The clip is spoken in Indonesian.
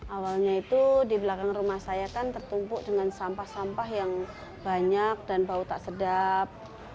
awalnya itu di belakang rumah saya kan tertumpuk dengan sampah sampah yang banyak dan bau tak sedap